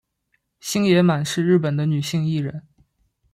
星野满是日本的女性艺人。